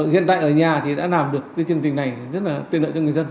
hiện tại ở nhà thì đã làm được cái chương trình này rất là tuyệt lợi cho người dân